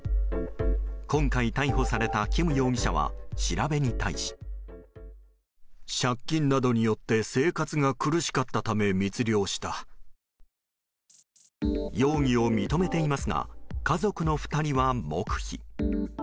今回逮捕されたキム容疑者は調べに対し。容疑を認めていますが家族の２人は黙秘。